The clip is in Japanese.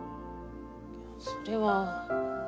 それは。